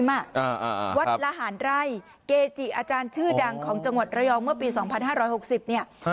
วัดละหารไร่เกจิอาจารย์ชื่อดังของจังหวัดระยองเมื่อปีสองพันห้าร้อยหกสิบเนี่ย